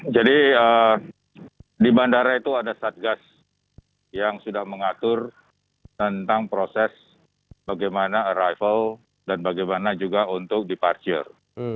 jadi di bandara itu ada satgas yang sudah mengatur tentang proses bagaimana arrival dan bagaimana juga untuk departure